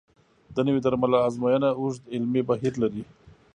د نوي درملو ازموینه اوږد علمي بهیر لري.